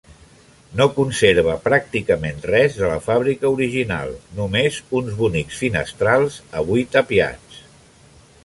No conserva pràcticament res de la fàbrica original, només uns bonics finestrals, avui tapiats.